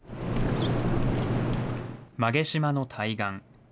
馬毛島の対岸。